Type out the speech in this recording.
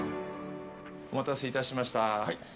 お待たせいたしました。